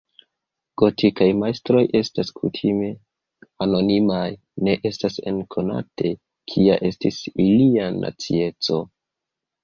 Gotikaj majstroj estas kutime anonimaj, ne estas eĉ konate, kia estis ilia nacieco.